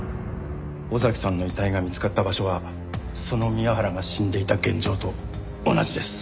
尾崎さんの遺体が見つかった場所はその宮原が死んでいた現場と同じです。